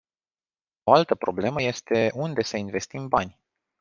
O altă problemă este unde să investim bani.